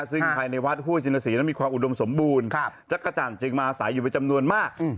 ซึ่งภายในวัดห้วยชินศรีนั้นมีความอุดมสมบูรณ์จักรจันทร์จึงมาอาศัยอยู่เป็นจำนวนมาก